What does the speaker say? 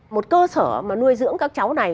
một cơ sở mà nuôi dưỡng các cháu này